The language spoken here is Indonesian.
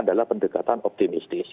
adalah pendekatan optimistis